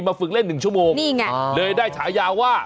ฝึกเล่น๑ชั่วโมงนี่ไงเลยได้ฉายาว่า